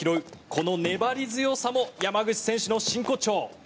この粘り強さも山口選手の真骨頂。